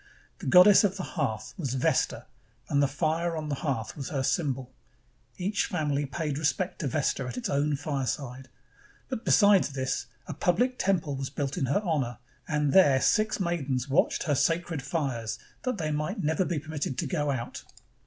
The goddess of the hearth was Vesta, and the fire on the hearth was her symbol. Each family paid respect to Vesta at its own fireside; but besides this, a public temple was built in her honor, and there six maidens watched her sacred fires that they might never be permitted to go out.